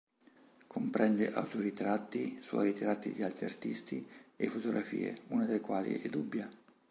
Comprende autoritratti, suoi ritratti di altri artisti e fotografie, una della quali è dubbia.